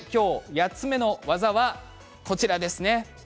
８つ目の技はこちらです。